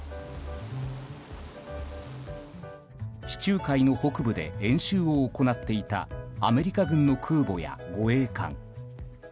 地中海の北部で演習を行っていたアメリカ軍の空母や護衛艦。